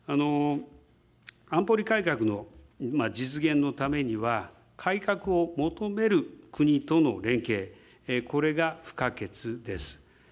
安保理改革の実現のためには、改革を求める国との連携、これが不可欠です。